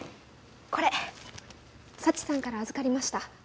これ佐知さんから預かりました。